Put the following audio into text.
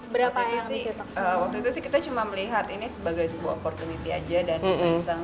waktu itu sih kita cuma melihat ini sebagai sebuah opportunity aja dan bisa iseng